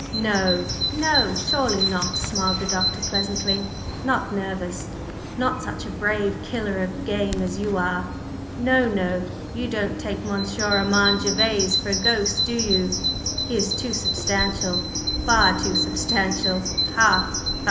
"No, no, surely not," smiled the Doctor pleasantly "not nervous! Not such a brave killer of game as you are! No, no! You don't take Monsieur Armand Gervase for a ghost, do you? He is too substantial, far too substantial! Ha! ha!